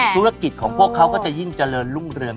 ธุรกิจของพวกเขาก็จะยิ่งเจริญรุ่งเรือง